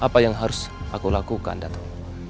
dan apa yang harus aku lakukan datuk